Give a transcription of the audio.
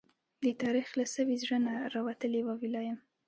د تاريخ له سوي زړه نه، راوتلې واوي لا يم